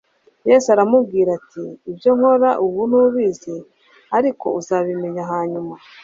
Yesu aramubwira ati: "Ibyo nkora ubu ntubizi, ariko uzabimenya hanyuma.